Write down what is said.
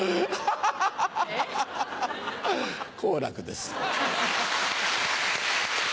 好楽です。